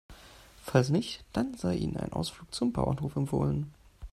Falls nicht, dann sei Ihnen ein Ausflug zum Bauernhof empfohlen.